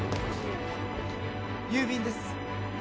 郵便です。